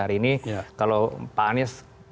hari ini kalau pak anies